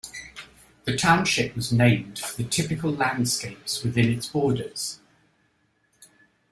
The township was named for the typical landscapes within its borders.